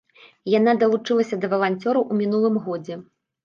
Яна далучылася да валанцёраў у мінулым годзе.